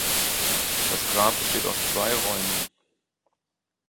Das Grab besteht aus zwei Räumen.